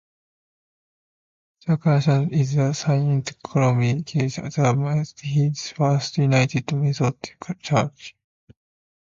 The Catholic church is Saint Columbkilles and the Methodist is First United Methodist Church.